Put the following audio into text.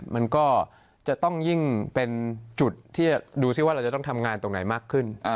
มันก็จะต้องยิ่งเป็นจุดที่ดูซิว่าเราจะต้องทำงานตรงไหนมากขึ้น